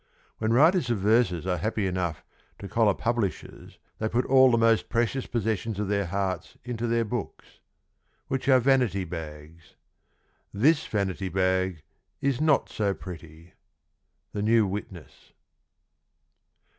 When writers of verses are happy enough to collar publishers they put all the most precious possessions of their hearts into their books — which are vanity bags. ... [This] vanity bag [is] not so pretty. — The New Witness.